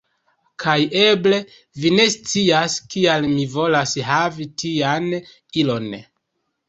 Kaj eble vi ne scias, kial mi volas havi tian ilon.